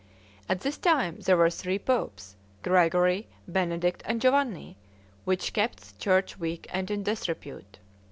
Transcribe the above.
At this time there were three popes, Gregory, Benedict, and Giovanni, which kept the church weak and in disrepute.